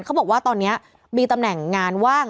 เขาบอกว่าตอนนี้มีตำแหน่งงานว่าง